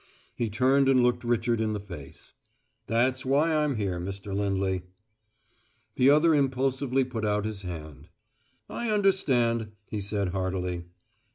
He turned and looked Richard in the face. "That's why I'm here, Mr. Lindley." The other impulsively put out his hand. "I understand," he said heartily.